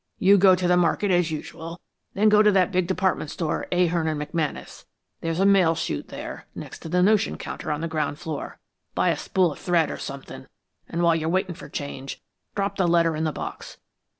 You go to the market as usual, then go into that big department store, Ahearn & McManus'. There's a mail chute there, next the notion counter on the ground floor. Buy a spool of thread or somethin', and while you're waitin' for change, drop the letter in the box.